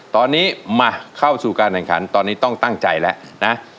ตอนนี้มาเข้าสู่การแข่งขันตอนนี้ต้องตั้งใจแล้วนะ